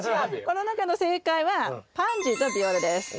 この中の正解はパンジーとビオラです。